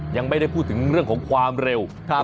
ยังไม่ได้พูดถึงเรื่องของความเร็ว